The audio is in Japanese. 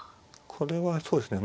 これはそうですね